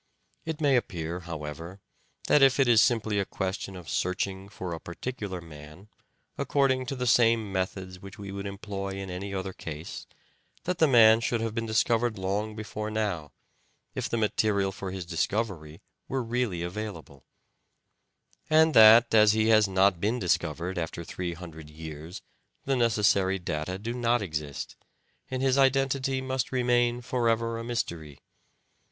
It may appear, how ever, that if it is simply a question of searching for a particular man, according to the same methods which we would employ in any other case, that the man should have been discovered long before now, if the material for his discovery were really available ; and that as he has not been discovered after three hundred years the necessary data do not exist, and his identity must remain for ever a mystery.